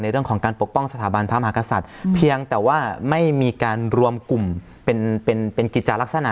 เรื่องของการปกป้องสถาบันพระมหากษัตริย์เพียงแต่ว่าไม่มีการรวมกลุ่มเป็นเป็นกิจจารักษณะ